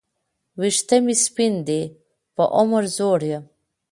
وېښته مي سپین دي په عمر زوړ یم